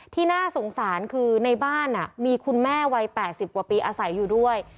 ที่น่าสงสารคือในบ้านมีคุณแม่วัย๘๐กว่าปีอาศัยอยู่ด้วย